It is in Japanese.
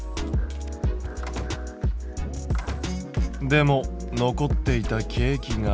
でも残っていたケーキが。